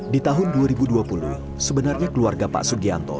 di tahun dua ribu dua puluh sebenarnya keluarga pak sugianto